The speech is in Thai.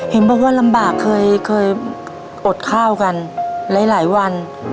เห็นบอกว่าลำบากเคยอดข้าวกันหลายวัน